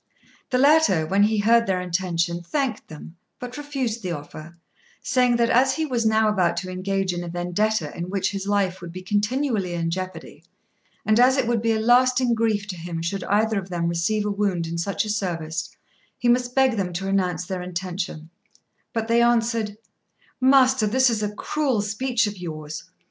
The latter, when he heard their intention, thanked them, but refused the offer, saying that as he was now about to engage in a vendetta in which his life would be continually in jeopardy, and as it would be a lasting grief to him should either of them receive a wound in such a service, he must beg them to renounce their intention; but they answered "Master, this is a cruel speech of yours.